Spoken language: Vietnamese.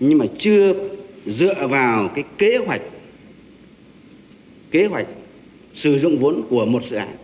nhưng mà chưa dựa vào kế hoạch sử dụng vốn của một dự án